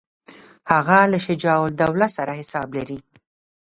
هغه له شجاع الدوله سره حساب لري.